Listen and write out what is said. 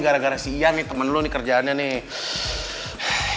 gara gara si ian nih temen lu kerjaannya nih